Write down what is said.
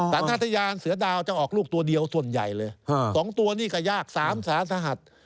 แต่ถ้าทะยานเสือดาวจะออกลูกตัวเดียวส่วนใหญ่เลยสองตัวนี่ก็ยากสามสาสหัส